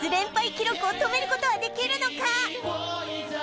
記録を止めることはできるのか？